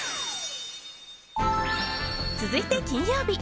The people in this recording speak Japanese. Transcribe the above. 続いて、金曜日。